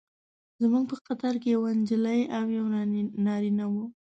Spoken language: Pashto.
زموږ په قطار کې یوه نجلۍ او یو نارینه و.